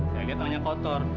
saya liat tangannya kotor